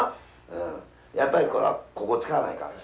やっぱりここ使わないかん。